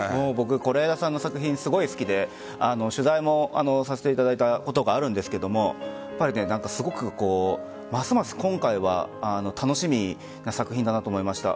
是枝さんの作品すごい好きで取材もさせていただいたことがあるんですけどすごく、ますます今回は楽しみな作品だなと思いました。